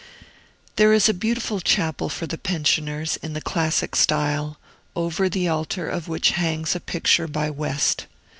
There is a beautiful chapel for the pensioners, in the classic style, over the altar of which hangs a picture by West.